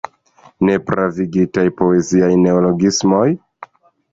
Nepravigitaj poeziaj neologismoj?